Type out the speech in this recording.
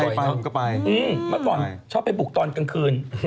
เมื่อก่อนชอบไปบุกตอนกลางคืน